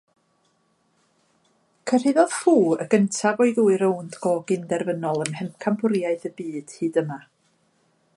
Cyrhaeddodd Fu y gyntaf o'i ddwy rownd go-gyn-derfynol ym Mhencampwriaeth y Byd hyd yma.